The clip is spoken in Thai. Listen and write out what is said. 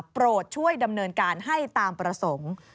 โปรดช่วยดำเนินการให้ตามประสงค์